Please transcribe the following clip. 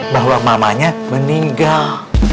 bahwa mamanya meninggal